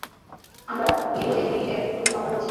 আমরা ইউএপিএর অধীনে মামলা করেছি।